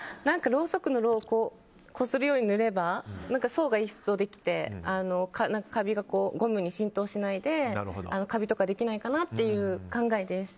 ろうそくのろうをこするように塗れば層が１層できて、カビがゴムに浸透しないでカビとかできないかなって考えです。